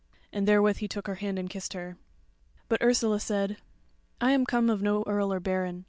And therewith he took her hand and kissed her. But Ursula said: "I am come of no earl or baron.